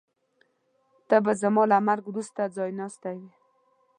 ته به زما له مرګ وروسته ځایناستی وې.